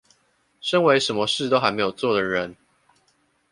身為什麼事都還沒有做的人